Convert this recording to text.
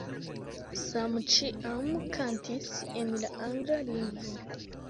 Sam ĉiam kantis en la angla lingvo.